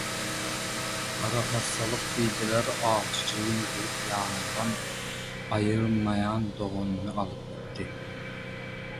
Garahassalyk diýdiler, «awçy jigim» diýip ýanyndan aýyrmaýan doganyny alyp gitdi.